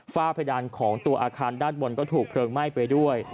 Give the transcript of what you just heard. เพดานของตัวอาคารด้านบนก็ถูกเพลิงไหม้ไปด้วย